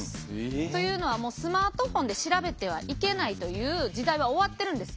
というのはもうスマートフォンで調べてはいけないという時代は終わってるんです。